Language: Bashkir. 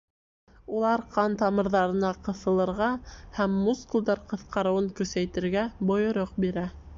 Улар ҡан тамырҙарына ҡыҫылырға һәм мускулдар ҡыҫҡарыуын көсәйтергә бойороҡ бирә.